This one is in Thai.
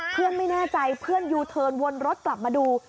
เพื่อนไม่แน่ใจเพื่อนยูเทิร์นวนรถกลับมาดู